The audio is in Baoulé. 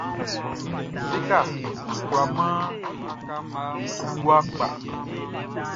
Séka kwla man e i gua kpa.